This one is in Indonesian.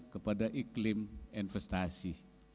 kepada iklim investasi